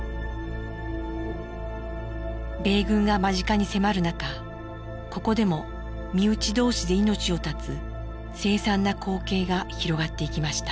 米軍が間近に迫る中ここでも身内同士で命を絶つ凄惨な光景が広がっていきました。